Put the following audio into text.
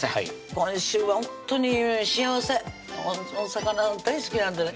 今週はほんとに幸せお魚大好きなんでね